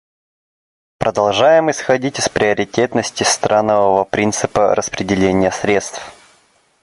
Продолжаем исходить из приоритетности странового принципа распределения средств.